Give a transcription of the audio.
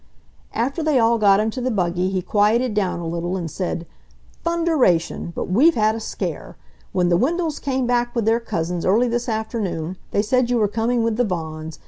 After they all got into the buggy he quieted down a little and said, "Thunderation! But we've had a scare! When the Wendells come back with their cousins early this afternoon, they said you were coming with the Vaughans.